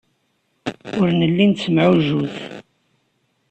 Ur nelli nettemɛujjut.